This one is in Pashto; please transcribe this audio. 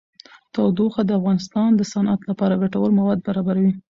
تودوخه د افغانستان د صنعت لپاره ګټور مواد برابروي.